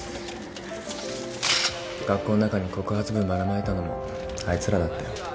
学校ん中に告発文バラまいたのもあいつらだったよ